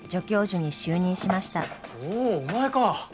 おおお前か！